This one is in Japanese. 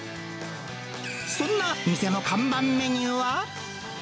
そんな店の看板メニューは？